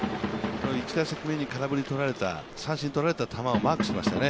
１打席目に三振とられた球をマークしていましたね。